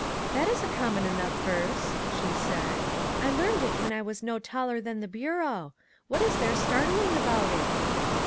" That is a common enough verse," she said ;" I learned it when I was no taller than the bureau. What is there startling about it?"